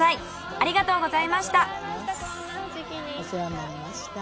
ありがとうございます。